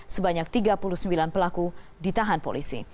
sebanyak tiga puluh sembilan pelaku ditahan polisi